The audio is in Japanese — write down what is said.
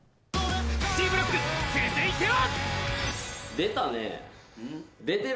Ｃブロック、続いては。